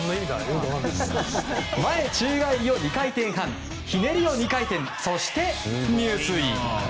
前宙返りを２回転半ひねりを２回転、そして入水。